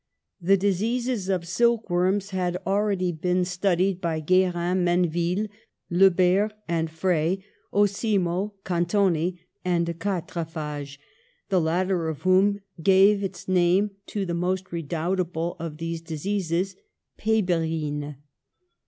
The diseases of silk worms had already been 86 PASTEUR studied by Guerin Menneville, Lebert and Frey, Osimo, Cantoni and de Quatrefages, the latter of whom gave its name to the most re doubtable of these diseases, pebrine.